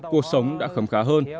cuộc sống đã khấm khá hơn